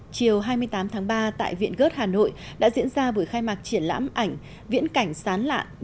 chiều hai mươi tám tháng ba tại viện gớt hà nội đã diễn ra buổi khai mạc triển lãm ảnh viễn cảnh sán lạ